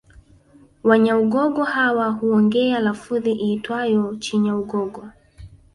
Wanyaugogo hawa huongea lafudhi iitwayo Chinyaugogo